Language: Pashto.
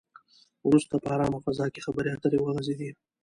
وروسته په ارامه فضا کې خبرې اترې وغځېدې.